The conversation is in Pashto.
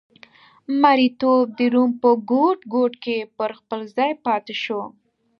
مریتوب د روم په ګوټ ګوټ کې پر خپل ځای پاتې شو